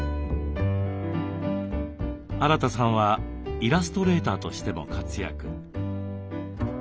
アラタさんはイラストレーターとしても活躍。